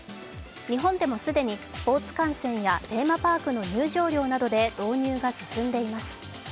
日本でも既にスポーツ観戦やテーマパークの入場料などで導入が進んでいます。